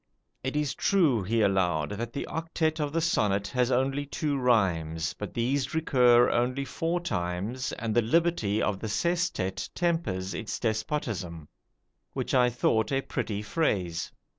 It is true, he allowed, that the octet of the sonnet has only two rhymes, but these recur only four times, and the liberty of the sestet tempers its despotism, which I thought a pretty phrase.